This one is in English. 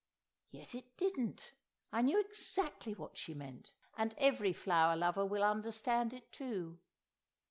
Yet it didn't! I knew exactly what she meant; and every flower lover will understand it too.